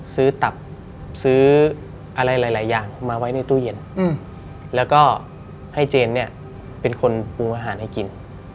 ตับซื้ออะไรหลายอย่างมาไว้ในตู้เย็นแล้วก็ให้เจนเนี่ยเป็นคนปรุงอาหารให้กิน